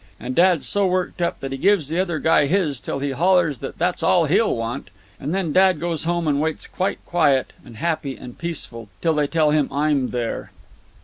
And dad's so worked up that he gives the other guy his till he hollers that that's all he'll want. And then dad goes home and waits quite quiet and happy and peaceful till they tell him I'm there."